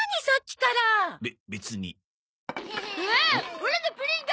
オラのプリンが！